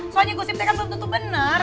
soalnya gosipnya kan belum tentu benar